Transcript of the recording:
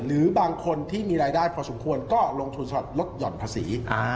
หรือบางคนที่มีรายได้พอสมควรก็ลงทุนสำหรับลดหย่อนภาษี